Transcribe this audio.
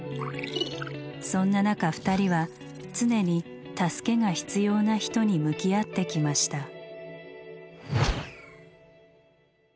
そんな中２人は常に「助けが必要な人」に向き合ってきました。